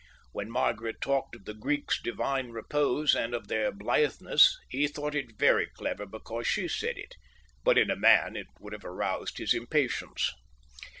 When Margaret talked of the Greeks' divine repose and of their blitheness, he thought it very clever because she said it; but in a man it would have aroused his impatience.